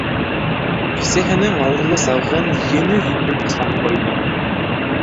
Бисәһенең ауырлы сағын ене һөймәй Ихсанбайҙың.